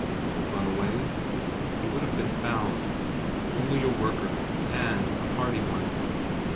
A runaway? He would have been found. Only a worker, and a hardy one.